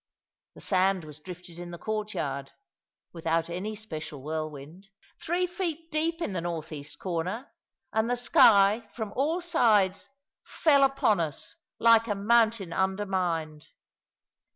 The sand was drifted in the courtyard (without any special whirlwind) three feet deep in the north east corner; and the sky, from all sides, fell upon us, like a mountain undermined.